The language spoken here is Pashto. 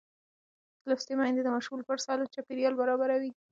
لوستې میندې د ماشوم لپاره سالم چاپېریال برابروي.